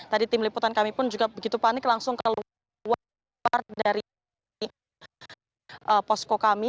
tadi tim liputan kami pun juga begitu panik langsung keluar dari posko kami